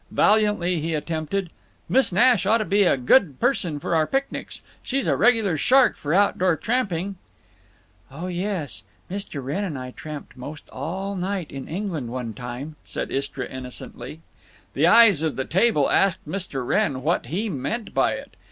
Valiantly he attempted: "Miss Nash oughta be a good person for our picnics. She's a regular shark for outdoor tramping." "Oh yes, Mr. Wrenn and I tramped most all night in England one time," said Istra, innocently. The eyes of the table asked Mr. Wrenn what he meant by it.